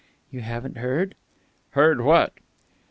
"You haven't heard?" "Heard what?"